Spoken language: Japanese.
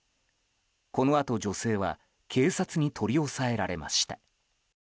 このあと女性は警察に取り押さえられました。